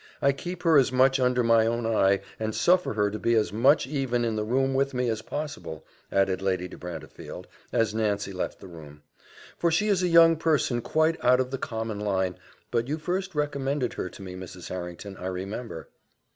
I keep her as much under my own eye, and suffer her to be as much even in the room with me, as possible," added Lady de Brantefield, as Nancy left the room; "for she is a young person quite out of the common line, and her mother i but you first recommended her to me, Mrs. Harrington, I remember."